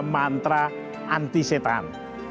mantra anti setan